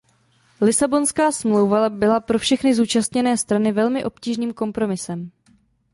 Lisabonská smlouva byla pro všechny zúčastněné strany velmi obtížným kompromisem.